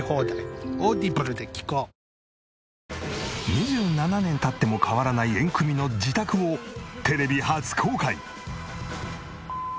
２７年経っても変わらないエンクミの自宅をテレビ初公開！